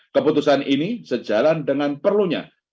keputusan ini sejalan dengan perlunya